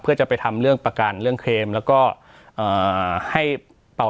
เพื่อจะไปทำเรื่องประกันเรื่องเครมแล้วก็ให้เป่า